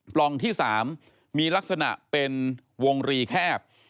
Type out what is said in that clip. ปล่องที่๓มีลักษณะเป็นวงรีแคบ